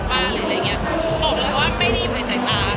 ปล่อยว่าไม่ได้อยู่ในสายตา